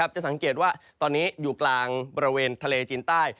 จะสังเกตว่าตอนนี้อยู่กลางบริเวณทะเลจีนใต้